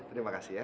terima kasih ya